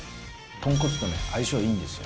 豚骨と相性いいんですよ。